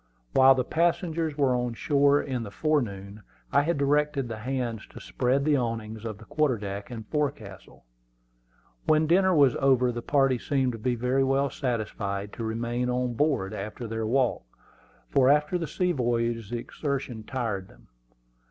While the passengers were on shore in the forenoon, I had directed the hands to spread the awnings on the quarter deck and forecastle. When dinner was over the party seemed to be very well satisfied to remain on board after their walk, for after the sea voyage the exertion tired them.